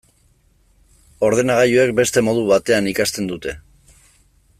Ordenagailuek beste modu batean ikasten dute.